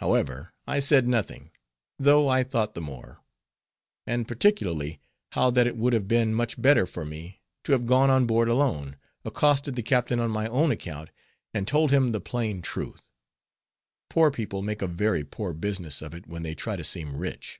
However, I said nothing, though I thought the more; and particularly, how that it would have been much better for me, to have gone on board alone, accosted the captain on my own account, and told him the plain truth. Poor people make a very poor business of it when they try to seem rich.